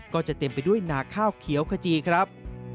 ก็จะเต็มไปด้วยหนาข้าวเขียวขจีครับ